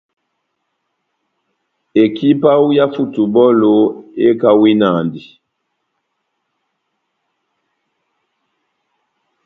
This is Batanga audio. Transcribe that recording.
Ekipi yawu yá futubɔlu ekawinandi.